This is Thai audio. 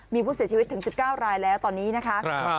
มีผู้เสียชีวิตถึง๑๙รายแล้วตอนนี้นะคะ